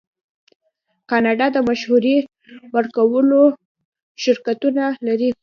کاناډا د مشورې ورکولو شرکتونه لري.